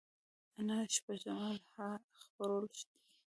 انارشیزم او الحاد خپرول دي.